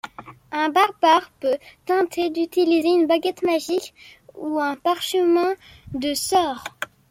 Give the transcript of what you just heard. Un Barbare peut tenter d'utiliser une baguette magique ou un parchemin de sort.